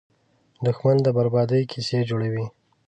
دښمن د بربادۍ کیسې جوړوي